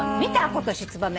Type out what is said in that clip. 今年ツバメ。